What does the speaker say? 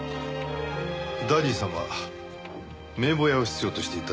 ダディさんは名簿屋を必要としていた。